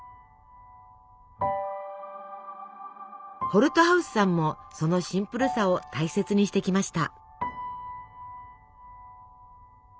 ホルトハウスさんもそのシンプルさを大切にしてきました。